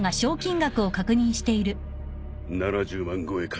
７０万超えか。